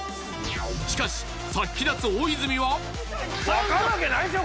しかし殺気立つ大泉は分かるわけないでしょ！